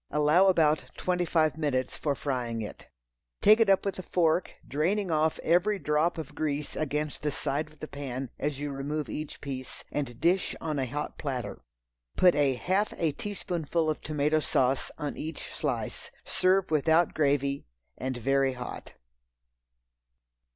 Allow about twenty five minutes for frying it. Take it up with a fork, draining off every drop of grease against the side of the pan as you remove each piece, and dish on a hot platter. Put a half a teaspoonful of tomato sauce on each slice. Serve without gravy and very hot.